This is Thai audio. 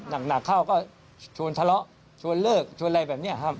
หนักเข้าก็ชวนทะเลาะชวนเลิกชวนอะไรแบบนี้ครับ